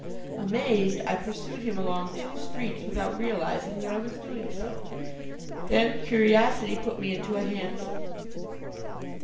Amazed, I pursued him along two streets without realizing that I was doing so. Then curiosity put me into a hansom.